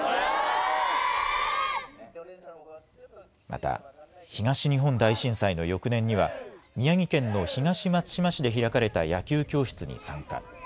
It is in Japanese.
また、東日本大震災の翌年には、宮城県の東松島市で開かれた野球教室に参加。